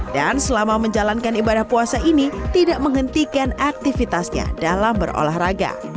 dan selama menjalankan ibadah puasa ini tidak menghentikan aktivitasnya dalam berolahraga